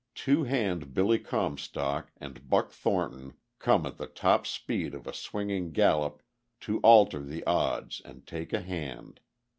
Two Hand Billy Comstock and Buck Thornton, come at the top speed of a swinging gallop to alter the odds and take a hand.